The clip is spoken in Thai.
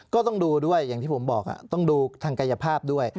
ก็ต้องดูด้วยอย่างที่ผมบอกต้องดูทางกายภาพด้วย